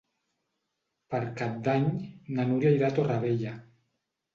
Per Cap d'Any na Núria irà a Torrevella.